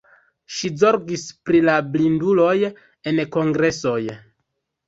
Ŝi zorgis pri la blinduloj en kongresoj.